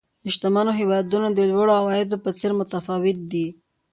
د شتمنو هېوادونو د لوړو عوایدو په څېر متفاوت دي.